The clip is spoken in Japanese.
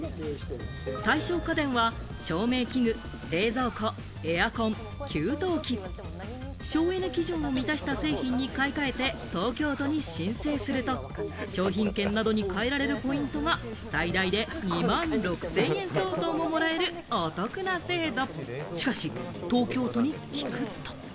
対象家電は照明器具、冷蔵庫、エアコン、給湯器、省エネ基準を満たした製品に買いかえて東京都に申請すると、商品券などに変えられるポイントが最大で２万６０００円相当ももらえるお得な制度。